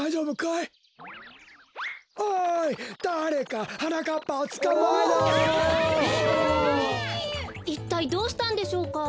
いったいどうしたんでしょうか？